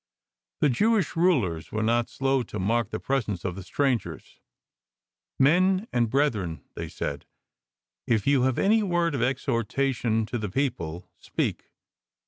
The Jewish rulers were not slow to mark the presence of the strangers. " Men and breth ren/' they saidj " if 5/0U have any word of exliortation to the people, speak."